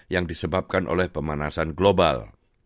yang disebabkan oleh pemanasan global